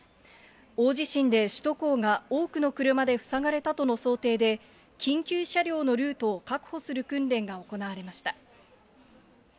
大地震で首都高が多くの車で塞がれたとの想定で、緊急車両のルートを確保する訓練が行われました。